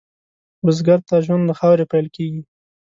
بزګر ته ژوند له خاورې پېل کېږي